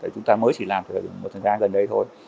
chúng ta mới chỉ làm một thời gian gần đây thôi